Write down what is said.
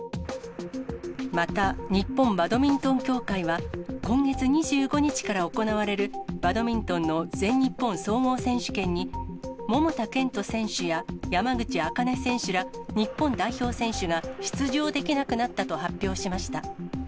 また、日本バドミントン協会は、今月２５日から行われる、バドミントンの全日本総合選手権に、桃田賢斗選手や、山口茜選手ら、日本代表選手が出場できなくなったと発表しました。